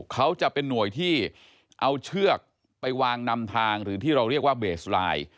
เขาจะเป็นหน่วยที่เอาเชือกไปวางนำทางหรือที่เราเรียกว่าเบสไลน์